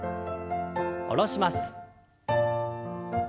下ろします。